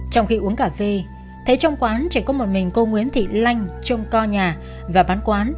trong khi uống cà phê thấy trong quán chỉ có một mình cô nguyễn thị lanh trông co nhà và bán quán